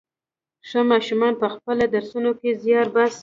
ښه ماشومان په خپلو درسونو کې زيار باسي.